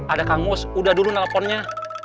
ada kangus udah dulu nelfonnya